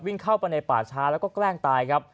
เข้าไปในป่าช้าแล้วก็แกล้งตายครับ